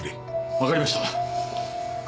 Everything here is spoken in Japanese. わかりました。